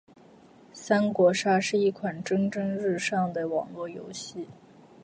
三国杀是一款蒸蒸日上的网络游戏。